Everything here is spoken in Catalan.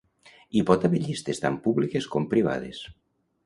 Hi pot haver llistes tant públiques com privades.